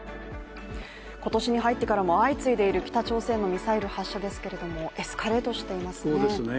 今年に入ってからも相次いでいる北朝鮮のミサイル発射ですけれども、エスカレートしています